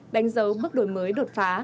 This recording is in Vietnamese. đánh dấu bước đổi mới đột phá